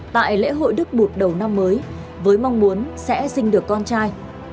tại lễ hội đức bụt đầu năm mới với mong muốn sẽ sinh được con trai